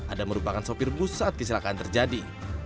adam merupakan sopir bus saat kecelakaan terjadi